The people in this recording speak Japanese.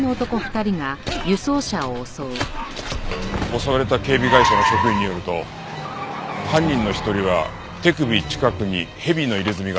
襲われた警備会社の職員によると犯人の一人は手首近くにヘビの入れ墨があったそうだ。